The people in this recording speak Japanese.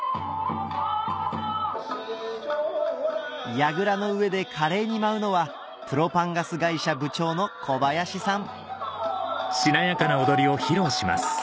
やぐらの上で華麗に舞うのはプロパンガス会社部長の小林さん